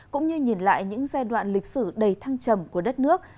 cũng như nhìn lại những giai đoạn lịch sử đầy thăng trầm của đất nước